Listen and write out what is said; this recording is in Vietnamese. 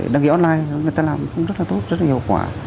đăng ký online người ta làm cũng rất là tốt rất là hiệu quả